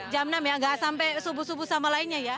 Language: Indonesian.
jam enam ya nggak sampai subuh subuh sama lainnya ya